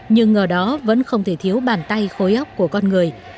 nhưng ở đó vẫn không thể thiếu bàn tay khối ốc của con người